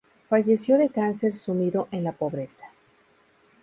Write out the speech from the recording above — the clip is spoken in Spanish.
Falleció de cáncer, sumido en la pobreza.